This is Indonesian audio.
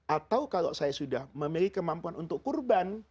atau kalau saya sudah memiliki kemampuan untuk kurban